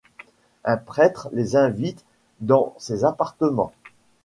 Un prêtre les invite dans ses appartements.